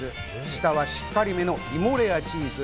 下はしっかりめの芋レアチーズ。